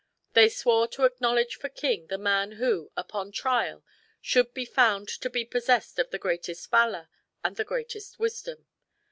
They swore to acknowledge for king the man who, upon trial, should be found to be possessed of the greatest valor and the greatest wisdom.